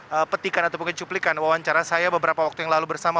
berikut petikan atau pengcuplikan wawancara saya beberapa waktu yang lalu bersama